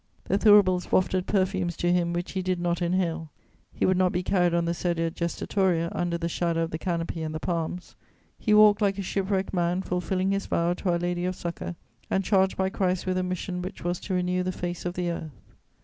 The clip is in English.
The thuribles wafted perfumes to him which he did not inhale; he would not be carried on the sedia gestatoria under the shadow of the canopy and the palms; he walked like a shipwrecked man fulfilling his vow to Our Lady of Succour, and charged by Christ with a mission which was to renew the face of the earth.